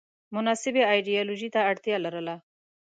مناسبې ایدیالوژۍ ته اړتیا لرله